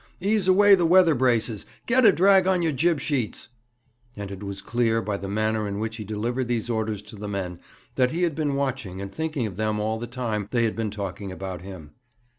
Ease away the weather braces! Get a drag on your jib sheets!' And it was clear, by the manner in which he delivered these orders to the men, that he had been watching and thinking of them all the time they had been talking about him.